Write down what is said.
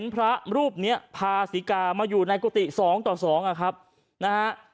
พระรูปนี้พาศรีกามาอยู่ในกุฏิ๒ต่อ๒นะครับนะฮะ